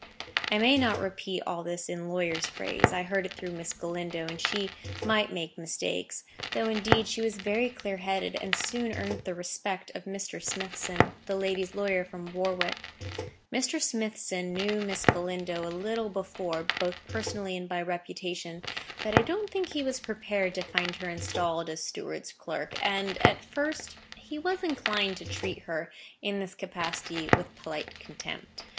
I may not repeat all this in lawyer's phrase; I heard it through Miss Galindo, and she might make mistakes. Though, indeed, she was very clear headed, and soon earned the respect of Mr. Smithson, my lady's lawyer from Warwick. Mr. Smithson knew Miss Galindo a little before, both personally and by reputation; but I don't think he was prepared to find her installed as steward's clerk, and, at first, he was inclined to treat her, in this capacity, with polite contempt.